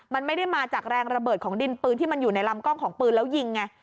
มันไม่ได้มาจากแรงระเบิดของดินปืนที่มันอยู่ในลำกล้องของปืนแล้วยิงไง